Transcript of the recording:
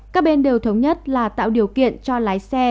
các bên đều thống nhất là tạo điều kiện cho lái xe